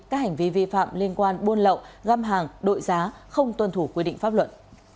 các hành vi vi phạm liên quan buôn lậu găm hàng đội giá không tuân thủ quy định pháp luật